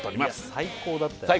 最高だったよ